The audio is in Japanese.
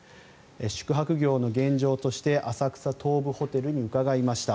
宿泊業の現状として浅草東武ホテルに伺いました。